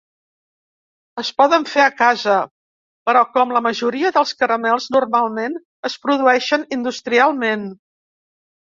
Es poden fer a casa, però com la majoria dels caramels, normalment es produeixen industrialment.